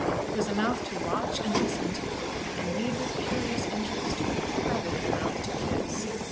It was a mouth to watch, and listen to, and read with curious interest, rather than a mouth to kiss.